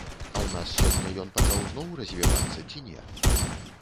А ў нас сёння ён пачаў зноў развівацца ці не?